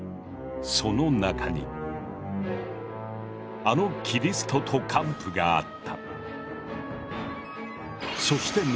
その中にあの「キリストと姦婦」があった。